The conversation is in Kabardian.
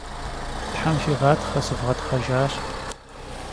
Them fiğatxhe, sıvğetxhejjaş!